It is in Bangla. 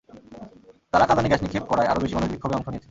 তারা কাঁদানে গ্যাস নিক্ষেপ করায় আরও বেশি মানুষ বিক্ষোভে অংশ নিয়েছে।